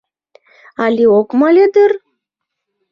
Але ок мале дыр?..